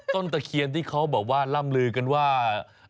ที่เขาบอกว่าร่ำลือกันว่า